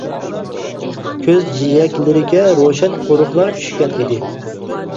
كۆز جىيەكلىرىگە روشەن قورۇقلار چۈشكەن ئىدى.